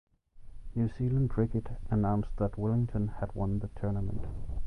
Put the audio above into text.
New Zealand Cricket announced that Wellington had won the tournament.